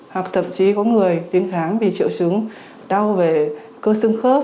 hoặc thậm chí có người tiến khám vì triệu chứng đau về cơ sương khớp